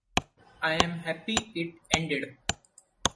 I am happy it ended.